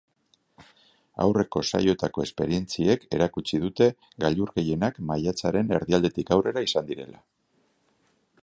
Aurreko saioetako esperientziek erakutsi dute gailur gehienak maiatzaren erdialdetik aurrera izan direla.